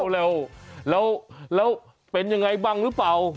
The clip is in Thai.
แล้วเป็นยังไงบ้างหรือเปล่า